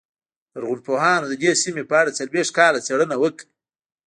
لرغونپوهانو د دې سیمې په اړه څلوېښت کاله څېړنه وکړه